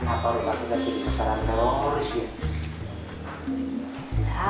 kenapa rupanya jadi susaran teroris ya